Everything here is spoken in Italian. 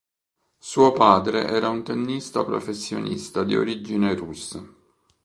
Suo padre era un tennista professionista di origine russa.